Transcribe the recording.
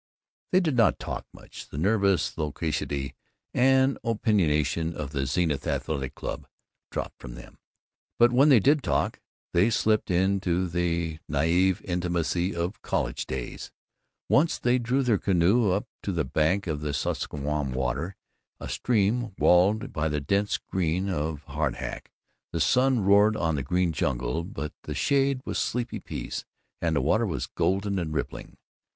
They did not talk much. The nervous loquacity and opinionation of the Zenith Athletic Club dropped from them. But when they did talk they slipped into the naïve intimacy of college days. Once they drew their canoe up to the bank of Sunasquam Water, a stream walled in by the dense green of the hardhack. The sun roared on the green jungle but in the shade was sleepy peace, and the water was golden and rippling.